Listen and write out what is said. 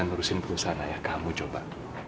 ngurusin perusahaan ayah kamu coba